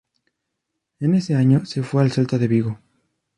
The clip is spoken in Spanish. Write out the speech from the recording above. En ese año se fue al Celta de Vigo.